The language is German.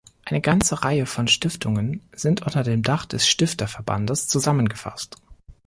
Eine ganze Reihe von Stiftungen sind unter dem Dach des Stifterverbandes zusammengefasst.